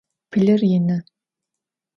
Pılır yinı.